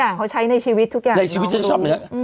เขาใช้ในชีวิตทุกอย่างในชีวิตฉันชอบเนื้อ